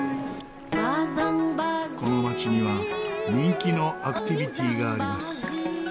この街には人気のアクティビティがあります。